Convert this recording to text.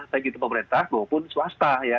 baik itu pemerintah maupun swasta ya